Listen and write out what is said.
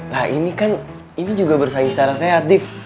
nah ini kan ini juga bersaing secara sehat dif